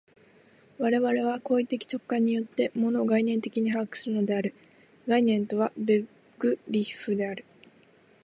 我々は行為的直観によって、物を概念的に把握するのである（概念とはベグリッフである）。